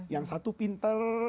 yang satu pinter